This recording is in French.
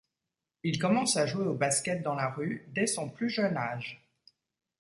Il commence à jouer au basket dans la rue dès son plus jeune âge.